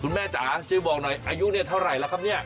แม่จ๋าช่วยบอกหน่อยอายุเนี่ยเท่าไหร่แล้วครับเนี่ย